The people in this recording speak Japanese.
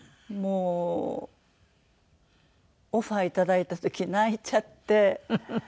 もうオファーいただいた時泣いちゃって。